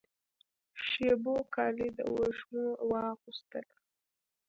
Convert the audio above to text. شېبو کالي د وږمو واغوستله